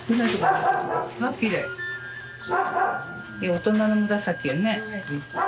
大人の紫やね。